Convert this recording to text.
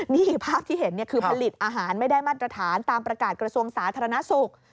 นี่ภาพที่เห็นคือผลิตอาหารไม่ได้มาตรฐานตามประกาศกระทรวงสาธารณสุข